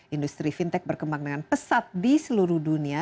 industri fintech berkembang dengan pesat di seluruh dunia